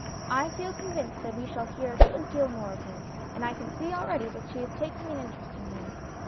I feel convinced that we shall hear a good deal more of her, and I can see already that she is taking an interest in him.